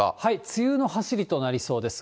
梅雨の走りとなりそうです。